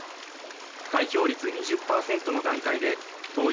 開票率２０％の段階で統一